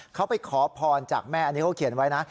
เขาไปขอพรจากแม่อันนี้เขาเขียนไว้นะ